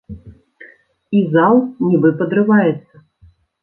І зал нібы падрываецца!